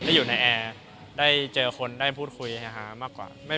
มันได้อยู่ในแอร์ได้เจอคนได้พูดคุยมากกว่า